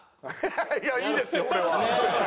いやいいですよ俺は。